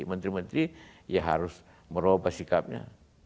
menteri menteri ya harus merubah sikapnya